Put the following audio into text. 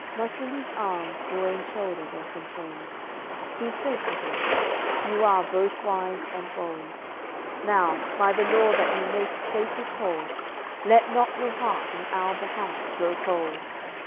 AOI. LII Marsilie's arm Guene's shoulder doth enfold; He's said to him: "You are both wise and bold. Now, by the law that you most sacred hold, Let not your heart in our behalf grow cold!